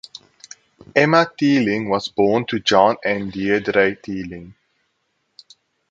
Emma Teeling was born to John and Deirdre Teeling.